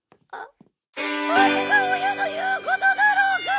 あれが親の言うことだろうか！